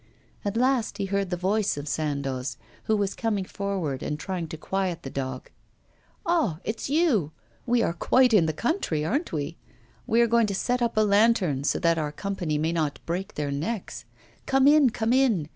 At last he heard the voice of Sandoz, who was coming forward and trying to quiet the dog. 'Ah, it's you! We are quite in the country, aren't we? We are going to set up a lantern, so that our company may not break their necks. Come in, come in!